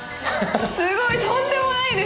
すごいとんでもないですね。